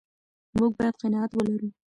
موږ باید قناعت ولرو.